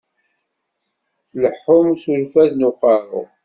Tleḥḥum s urfad n uqerru.